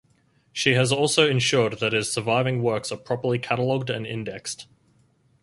She has also ensured that his surviving works are properly catalogued and indexed.